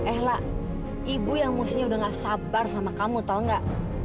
eh lah ibu yang mustinya udah gak sabar sama kamu tau gak